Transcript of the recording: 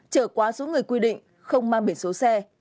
trở quá số người quy định không mang biển số xe